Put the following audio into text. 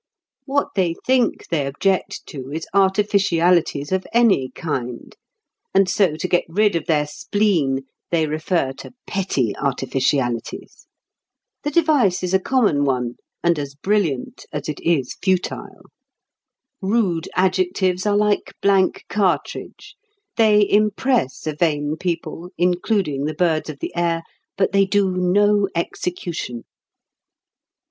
What they think they object to is artificialities of any kind, and so to get rid of their spleen they refer to "petty" artificialities. The device is a common one, and as brilliant as it is futile. Rude adjectives are like blank cartridge. They impress a vain people, including the birds of the air, but they do no execution.